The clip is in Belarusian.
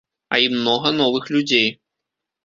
А і многа новых людзей.